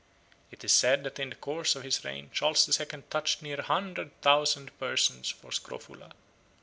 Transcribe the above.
It is said that in the course of his reign Charles the Second touched near a hundred thousand persons for scrofula.